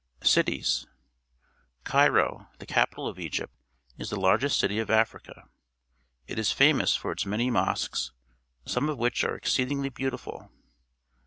Cities. — Cairo, the capital of Egypt, is tlTP_[arg; pst f ity of— Africa.. It is famous for its many mosques, some of which are ex ceedingly beautiful.